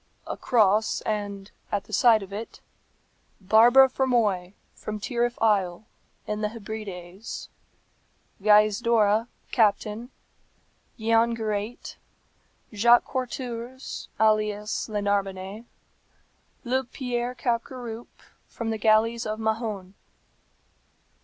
A cross, and at the side of it, Barbara Fermoy, from Tyrryf Isle, in the Hebrides; Gaizdorra, Captain; Giangirate; Jacques Quartourze, alias le Narbonnais; Luc Pierre Capgaroupe, from the galleys of Mahon."